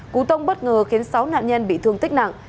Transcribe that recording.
cú tông bất ngờ khiến sáu nạn nhân bị thương tích nặng